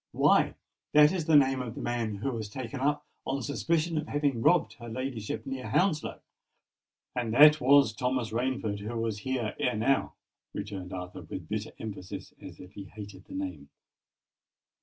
"Why, that is the name of the man who was taken up on suspicion of having robbed her ladyship near Hounslow!" "And that was Thomas Rainford who was here ere now!" returned Arthur, with bitter emphasis, as if he hated the name.